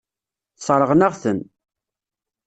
Sseṛɣen-aɣ-ten.